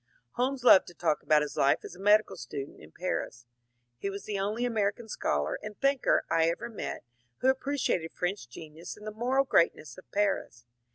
Holmes loved to talk about his life as a medical student in Paris. He was the only American scholar and thinker I ever met who appreciated French genius and the moral greatness of Paris.